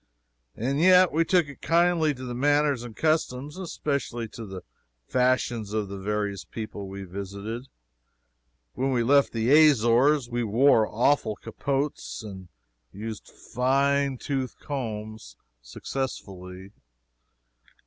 And yet we took kindly to the manners and customs, and especially to the fashions of the various people we visited. When we left the Azores, we wore awful capotes and used fine tooth combs successfully.